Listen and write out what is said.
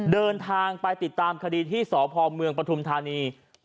เดินทางไปติดตามคดีที่สพเมืองปฐุมธานี